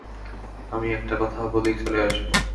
আমি একটা কথা বলেই চলে আসব।